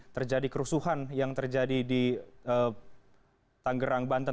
terjadi kerusuhan yang terjadi di tanggerang banten